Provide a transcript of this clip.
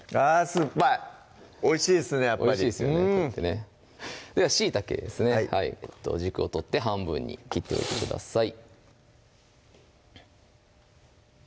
酸っぱいおいしいですねおいしいですよねではしいたけですね軸を取って半分に切っておいてください